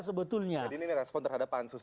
sebetulnya ini respon terhadap pansus